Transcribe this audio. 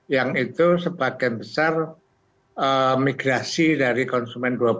yang itu sebagian besar migrasi dari konsumen dua belas kg ke tiga kg